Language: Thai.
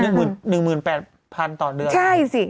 อยู่ในประชาชนวันนี้